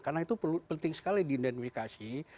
karena itu penting sekali diidentifikasi